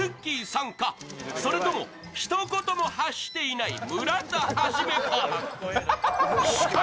さんか、それともひと言も発していない村田基か？